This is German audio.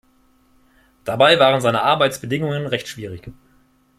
Dabei waren seine Arbeitsbedingungen recht schwierig.